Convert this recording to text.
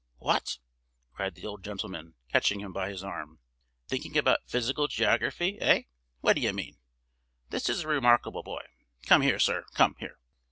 what!" cried the old gentleman, catching him by his arm. "Thinking about Physical Geography, hey? What d'ye mean? This is a remarkable boy. Come here, sir! come here!"